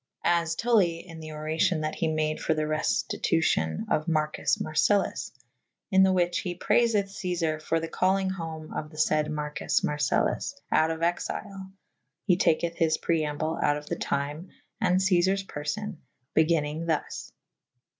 As TuUye / in the oracyon that he made for the reftitucyon of Marcus Mar cellus / in the whiche he prayfeth Cezare for the callynge home of the fayd Marcus mercellMJ out of exyle / he taketh his preamble out of the tyme & Cezares perfo« / begynnyng Xhus.